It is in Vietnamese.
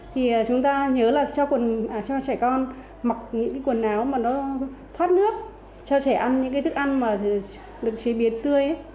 thì chúng ta nhớ là cho trẻ con mặc những quần áo mà nó thoát nước cho trẻ ăn những cái thức ăn mà được chế biến tươi